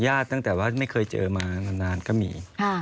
ตั้งแต่ว่าไม่เคยเจอมานานก็มี